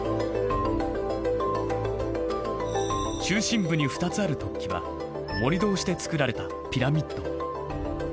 中心部に２つある突起は盛り土をして造られたピラミッド。